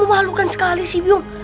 aduh memalukan sekali sih biong